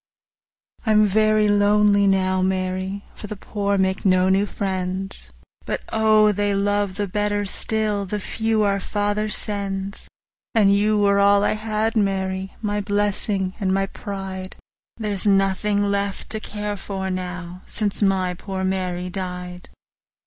I'm very lonely now, Mary, 25 For the poor make no new friends, But, O, they love the better still, The few our Father sends! And you were all I had, Mary, My blessin' and my pride: 30 There 's nothin' left to care for now, Since my poor Mary died.